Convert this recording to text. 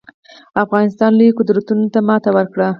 افغانستان لویو قدرتونو ته ماتې ورکړي